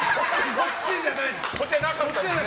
そっちじゃないです！